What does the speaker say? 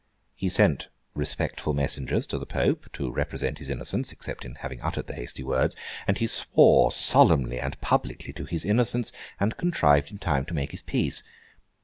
He sent respectful messengers to the Pope, to represent his innocence (except in having uttered the hasty words); and he swore solemnly and publicly to his innocence, and contrived in time to make his peace.